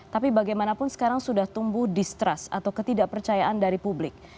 tapi bagaimanapun sekarang sudah tumbuh distrust atau ketidakpercayaan dari publik